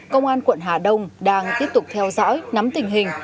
công an quận hà đông đang tiếp tục theo dõi nắm tình hình